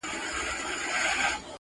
لويي ږیري مصنوعي دي محمده